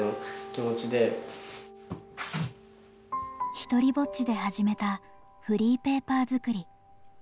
ひとりぼっちで始めたフリーペーパー作り。